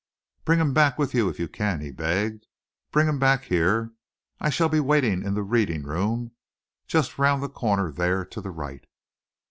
"Bring him back with you if you can," he begged. "Bring him back here. I shall be waiting in the reading room, just round the corner there to the right."